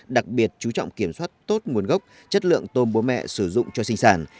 đặc biệt chú trọng kiểm soát tốt nguồn gốc chất lượng tôm bố mẹ sử dụng cho sinh sản